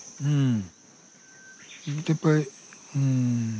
うん。